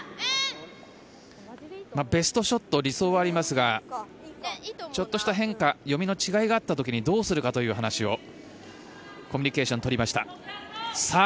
ベストショット理想はありますがちょっとした変化読みの違いがあった時にどうするかというコミュニケーション取りました。